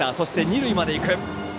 二塁まで行く。